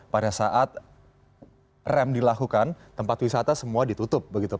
pada saat rem dilakukan tempat wisata semua ditutup begitu